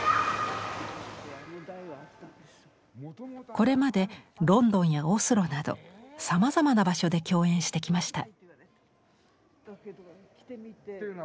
これまでロンドンやオスロなどさまざまな場所で共演してきました。